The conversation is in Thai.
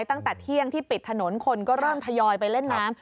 ตั้งแต่เที่ยงที่ปิดถนนคนก็เริ่มทยอยไปเล่นน้ำ